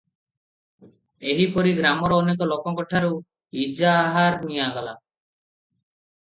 ଏହିପରି ଗ୍ରାମର ଅନେକ ଲୋକଙ୍କଠାରୁ ଇଜାହାର ନିଆଗଲା ।